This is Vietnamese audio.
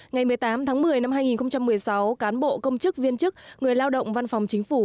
ngày một mươi tám tháng một mươi năm hai nghìn một mươi sáu cán bộ công chức viên chức người lao động văn phòng chính phủ